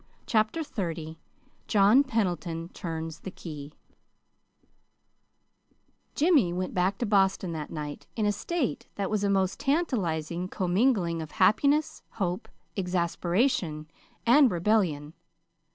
CHAPTER XXX JOHN PENDLETON TURNS THE KEY Jimmy went back to Boston that night in a state that was a most tantalizing commingling of happiness, hope, exasperation, and rebellion.